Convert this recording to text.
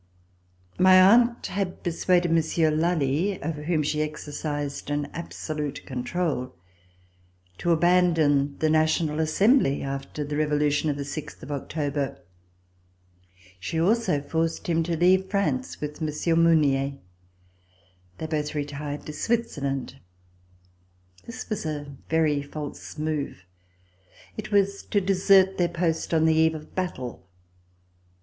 My aunt had persuaded Monsieur Lally, over whom she exercised an absolute control, to abandon the National Assembly after the Revolution of the sixth of October. She also forced him to leave France with Monsieur Mounier. They both retired to [io8] VISIT TO SWITZERLAND Switzerland. This was a very false move. It was to desert their post on the eve of battle.